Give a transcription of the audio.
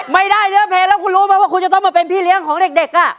ไม่ได้เนื้อเพลงแล้วคุณรู้ไหมว่าคุณจะต้องมาเป็นพี่เลี้ยงของเด็ก